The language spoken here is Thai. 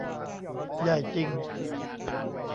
ใหญ่จริง